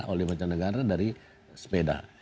oleh mancanegara dari sepeda